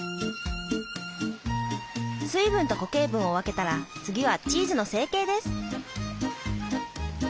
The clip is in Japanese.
水分と固形分を分けたら次はチーズの成形です。